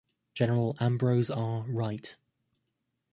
General Ambrose R. Wright.